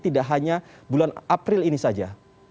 tidak hanya bulan april ini saja